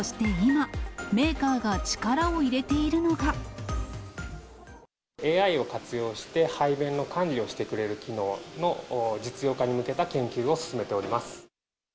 そして今、ＡＩを活用して、排便の管理をしてくれる機能の実用化に向けた研究を進めております。